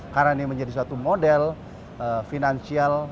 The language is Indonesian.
karena ini menjadi suatu model finansial